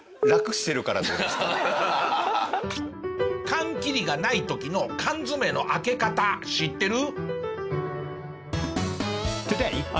缶切りがない時の缶詰の開け方知ってる？